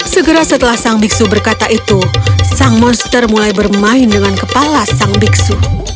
segera setelah sang biksu berkata itu sang monster mulai bermain dengan kepala sang biksu